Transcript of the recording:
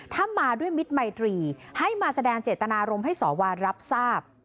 ถ้ามาด้วยมิตรมัยตรีให้มาแสดงเจตนารมณ์ให้สวรับทราบ